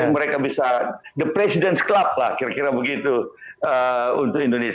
mereka bisa the president club lah kira kira begitu untuk indonesia